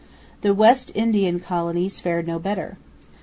The West Indian Colonies fared no better.